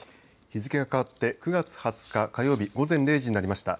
日付が変わって９月２０日火曜日午前０時になりました。